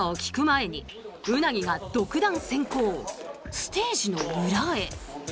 ステージの裏へ。